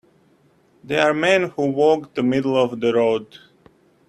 They are men who walk the middle of the road.